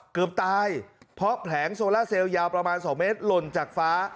เกือบตายเพราะแผลงโซล่าเซลลยาวประมาณ๒เมตรหล่นจากฟ้า